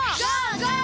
ゴー！